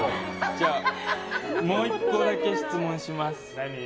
じゃあもう１個だけ質問します。